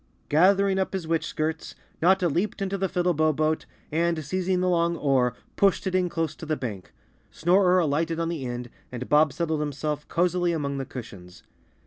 Gathering up his witch skirts, Notta leaped into the Fiddlebow Boat and, seizing the long oar, pushed it in close to the bank. Snorer alighted on the end, and Bob settled himself cozily among the cushions.